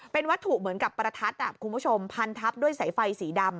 เป็นวัตถุเหมือนกับประทัดคุณผู้ชมพันทับด้วยสายไฟสีดำ